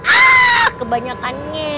ah kebanyakan nye